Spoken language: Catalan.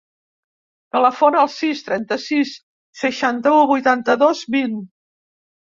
Telefona al sis, trenta-sis, seixanta-u, vuitanta-dos, vint.